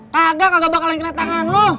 kagak gak bakalan kena tangan lu